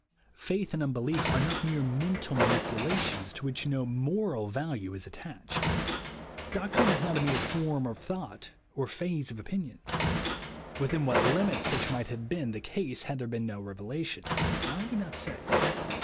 Faith and unbe lief are not mere mental manipulations, to which no moral value is attached. Doctrine is not a mere form of thought or phase of opinion. Within what limits such might have been the case had there been no revelation, I do not say.